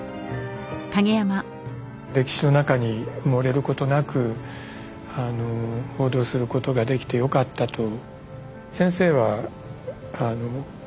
歴史の中に埋もれることなく報道することができてよかったと。